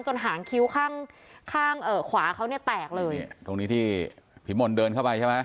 หางคิ้วข้างข้างเอ่อขวาเขาเนี่ยแตกเลยตรงนี้ที่ผีมนต์เดินเข้าไปใช่ไหม